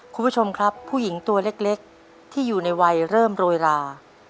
คุณผู้ชมครับผู้หญิงตัวเล็กที่อยู่ในวัยเริ่มโรยรา